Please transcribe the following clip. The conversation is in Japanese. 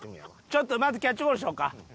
ちょっとまずキャッチボールしようか。